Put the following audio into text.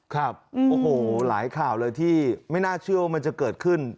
ครับโอ้โหหลายข่าวเลยที่ไม่น่าเชื่อว่ามันจะเกิดขึ้น